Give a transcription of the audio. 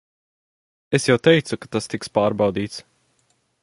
Es jau teicu, ka tas tiks pārbaudīts.